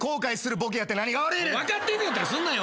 分かってんねやったらするなよ